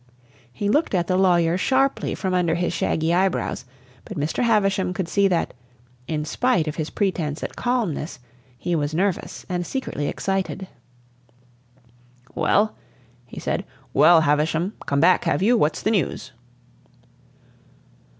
He looked at the lawyer sharply from under his shaggy eyebrows, but Mr. Havisham could see that, in spite of his pretense at calmness, he was nervous and secretly excited. "Well," he said; "well, Havisham, come back, have you? What's the news?"